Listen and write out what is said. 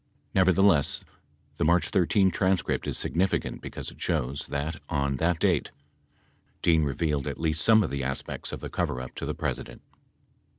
Nevertheless, the March 13 transcript is significant because it shows that, on that date, Dean revealed at least some of the aspects of the coverup to the President.